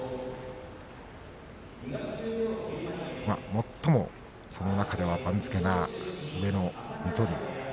最もその中では番付が上の水戸龍。